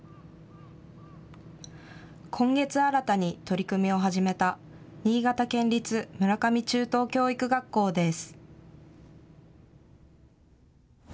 今月新たに取り組みを始めた新潟県立村上中等教育学校です。